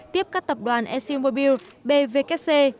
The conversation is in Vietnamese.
tiếp các tập đoàn eximobile bvfc